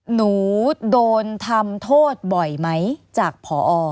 หนูโดนทำโทษบ่อยไหมจากผอ